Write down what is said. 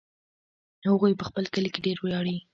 هغوی په خپل کلي ډېر ویاړي